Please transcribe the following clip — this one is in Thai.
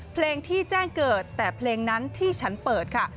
เพลงที่แจ้งเกิดแต่เพลงนั้นที่ฉันเปิดค่ะ